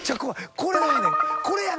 これやねん。